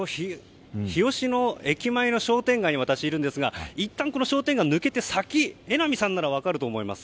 日吉の駅前の商店街に私、いるんですがいったん商店街を抜けた先榎並さんなら分かると思います。